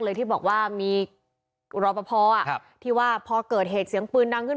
ที่บอกว่ามีรอปภที่ว่าพอเกิดเหตุเสียงปืนดังขึ้น